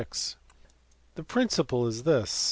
The principle is this.